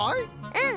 うん。